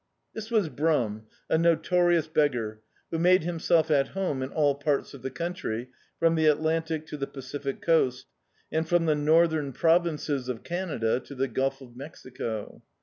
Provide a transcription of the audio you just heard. This was Brum, a notorious be^ar, who made himself at home in all parts of the country, from the Atlantic to the Pacific coast, and from the north em provinces of Canada to the Gulf of Mexico.